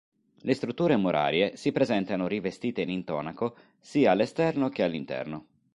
Le strutture murarie si presentano rivestite in intonaco sia all'esterno che all'interno.